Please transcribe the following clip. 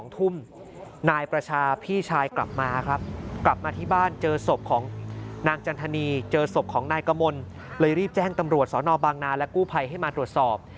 นายประชาพี่ชายกลับมาครับกลับมาที่บ้านเจอศพของนางจันทนีเจอศพของนายกมลเลยรีบแจ้งตำรวจสนบางนาและกู้ภัยให้มาตรวจสอบ